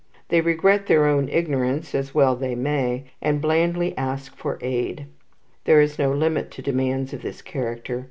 They regret their own ignorance as well they may and blandly ask for aid. There is no limit to demands of this character.